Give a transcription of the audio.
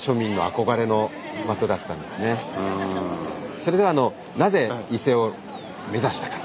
それでは「なぜ伊勢を目指したか」。